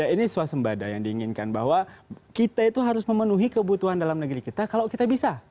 ini suasembada yang diinginkan bahwa kita itu harus memenuhi kebutuhan dalam negeri kita kalau kita bisa